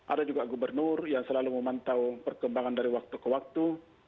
ada juga gubernur yang selalu memantau perkembangan dari waktu ke waktu